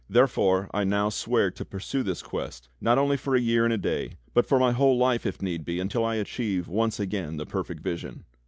Therefore I now swear to pursue this Quest, not only for a year and a day, but for my whole life if need be, until I achieve once again the perfect vision."